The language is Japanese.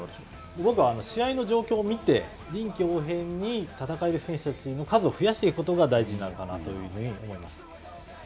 僕は試合の状況を見て、臨機応変に戦える選手たちの数を増やしていくのが大事なのかなというふうに思います。